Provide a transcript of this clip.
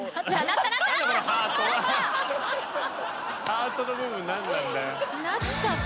ハートの部分何なんだよ？